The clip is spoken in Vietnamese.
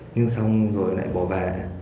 nhưng xong rồi lại bỏ về